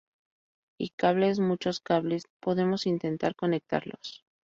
y cables, muchos cables, podemos intentar conectarlos